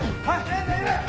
はい！